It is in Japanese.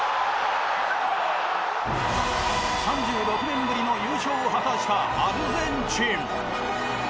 ３６年ぶりの優勝を果たしたアルゼンチン。